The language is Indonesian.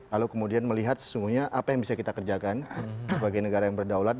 lalu kemudian melihat sesungguhnya apa yang bisa kita kerjakan sebagai negara yang berdaulat